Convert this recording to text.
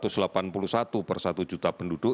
selatan dua dua ratus delapan puluh satu per satu juta penduduk